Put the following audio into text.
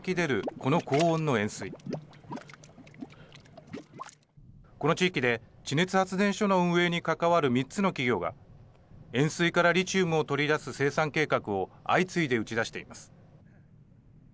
この地域で地熱発電所の運営に関わる３つの企業が、塩水からリチウムを取り出す生産計画を相次いで打ち出しています。